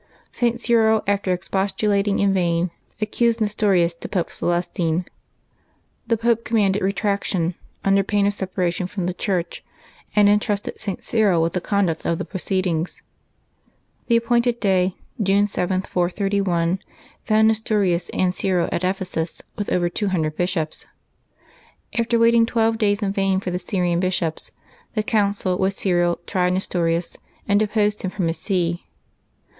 St. Cyril, after expostulating in vain, accused Nestorius to Pope Celestine. The Pope commanded re traction, under pain of separation from the Church, and intrusted St. Cyril with llie conduct of the proceedings. The appointed day, June 7, 431, found Xestorius and Cyril at Ephesus, with over 200 bishops. After waiting twelve days in vain for the S}T*ian bishops, the council with Cyril tried Nestorius, and deposed him from his see.